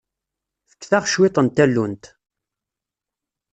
Fket-aɣ cwiṭ n tallunt.